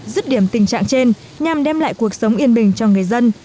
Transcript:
dứt điểm tình trạng trên nhằm đem lại cuộc sống yên bình cho người dân